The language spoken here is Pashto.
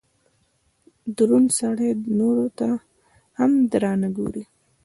دروند سړئ نورو ته هم درانه ګوري